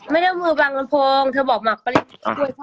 ไม่ได้มือบางละโภงเธอบอกหมักปะเนี่ย